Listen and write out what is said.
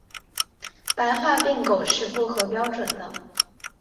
白化病狗是不合标准的。